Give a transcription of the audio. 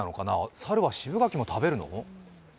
猿は渋柿も食べるの？